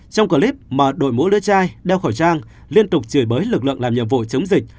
trong clip mà đội mũ lưa chai đeo khẩu trang liên tục chửi bới lực lượng làm nhiệm vụ chống dịch